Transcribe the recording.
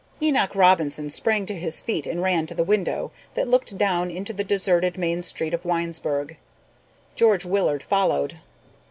Enoch Robinson sprang to his feet and ran to the window that looked down into the deserted main street of Winesburg. George Willard followed.